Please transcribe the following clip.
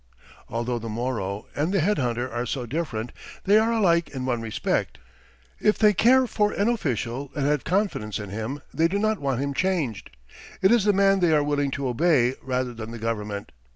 Although the Moro and the head hunter are so different, they are alike in one respect if they care for an official and have confidence in him they do not want him changed. It is the man they are willing to obey rather than the government.